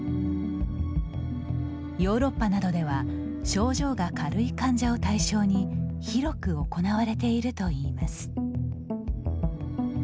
ヨーロッパなどでは症状が軽い患者を対象に広く行われているといいます。